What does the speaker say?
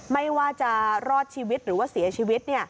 ไม่ว่าจะรอดชีวิตหรือว่าเสียชีวิต